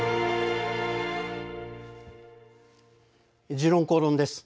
「時論公論」です。